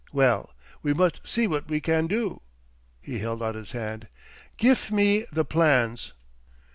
Well, we must see what we can do." He held out his hand. "Gif me the plans."